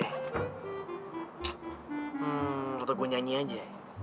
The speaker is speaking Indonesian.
hmm waktu gue nyanyi aja